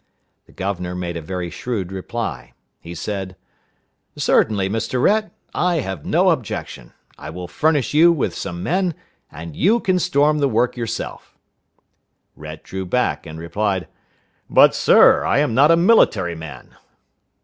The governor made a very shrewd reply. He said, "Certainly, Mr. Rhett; I have no objection! I will furnish you with some men, and you can storm the work yourself." Rhett drew back and replied, "But, sir, I am not a military man!"